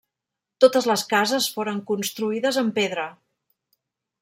Totes les cases foren construïdes en pedra.